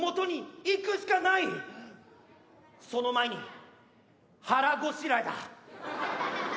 その前に腹ごしらえだ。